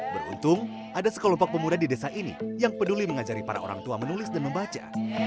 beruntung ada sekelompok pemuda di desa ini yang peduli mengajari para orang tua menulis dan membaca